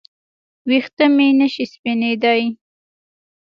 ویښته مې نشي سپینېدای